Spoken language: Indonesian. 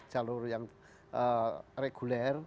jalur yang reguler